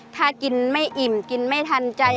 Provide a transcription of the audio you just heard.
ถ้ากินไม่อิ่มกินไม่ทันใจ